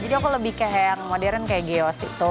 jadi aku lebih ke yang modern kayak geos itu